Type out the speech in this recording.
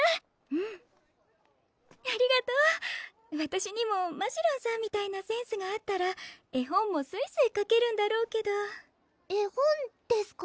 うんありがとうわたしにもましろんさんみたいなセンスがあったら絵本もすいすいかけるんだろうけど絵本ですか？